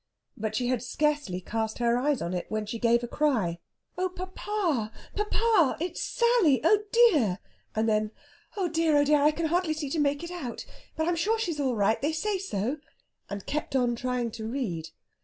But she had scarcely cast her eyes on it when she gave a cry. "Oh, papa, papa; it's Sally! Oh dear!" And then: "Oh dear, oh dear! I can hardly see to make it out. But I'm sure she's all right! They say so." And kept on trying to read.